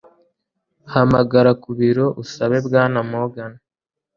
Hamagara ku biro usabe Bwana Morgan